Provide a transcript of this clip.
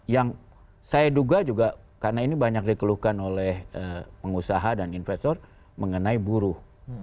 yang saya duga juga karena ini banyak dikeluhkan oleh pengusaha dan investor mengenai buruh